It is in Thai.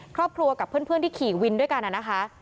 ครอบครัวกับเพื่อนที่ขี่วินด้วยกันนะคะ